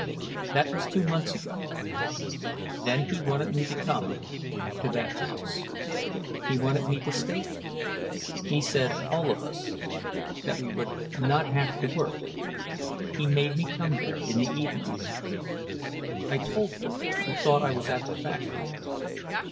"That was two months ago. Then he wanted me to come—to that house. He wanted me to stay there. He said all of us—that we would not have to work. He made me come there—in the evenings. I told you—you thought I was at the factory.